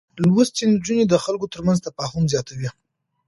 لوستې نجونې د خلکو ترمنځ تفاهم زياتوي.